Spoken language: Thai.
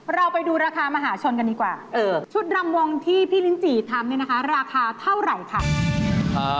เราไปดูราคามหาชนกันดีกว่าชุดรำวงที่พี่ลิ้นจี่ทำเนี่ยนะคะราคาเท่าไหร่ค่ะ